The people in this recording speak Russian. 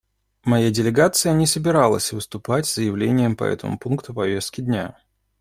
Моя делегация не собиралась выступать с заявлением по этому пункту повестки дня.